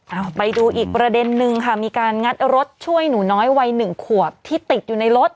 เอาไปดูอีกประเด็นนึงค่ะมีการงัดรถช่วยหนูน้อยวัยหนึ่งขวบที่ติดอยู่ในรถ